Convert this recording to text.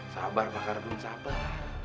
sabar pak ardun sabar